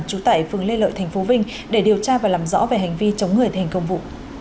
trú tại phường lê lợi tp vinh để điều tra và làm rõ về hành vi chống người thành công vụ